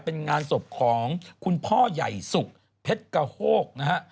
เป็นงานศพของคุณพ่อใหญ่สุขเพชรกระโฮกนะฮะ